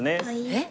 えっ？